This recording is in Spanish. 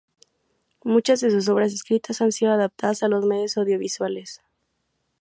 Muchas de sus obras escritas han sido adaptadas a los medios audiovisuales.